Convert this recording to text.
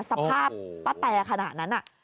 สภาพป้าแตขนาดนั้น